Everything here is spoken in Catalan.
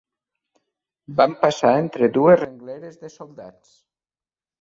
Vam passar entre dues rengleres de soldats.